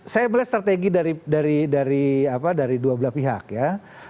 saya melihat strategi dari dua belah pihak ya